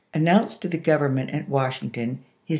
announced to the Government at Washington his xxviii.